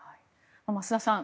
増田さん